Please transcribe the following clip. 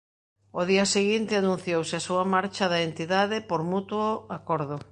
Ao día seguinte anunciouse a súa marcha da entidade por mutuo acordo.